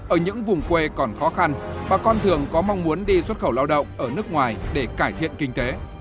ở những vùng quê còn khó khăn bà con thường có mong muốn đi xuất khẩu lao động ở nước ngoài để cải thiện kinh tế